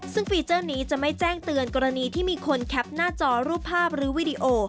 ซึ่งฟีเจอร์นี้จะไม่แจ้งเตือนกรณีที่มีคนแคปหน้าจอรูปภาพหรือวีดีโอ